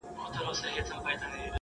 ډیري وژړېدې بوري د زلمیانو پر جنډیو،